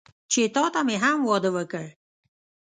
چې تاته مې هم واده وکړ.